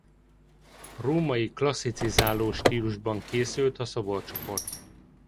Római klasszicizáló stílusban készült a szoborcsoport.